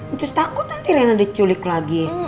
itu takut nanti rena diculik lagi